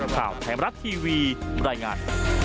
ข่าวไทยมรัฐทีวีบรรยายงาน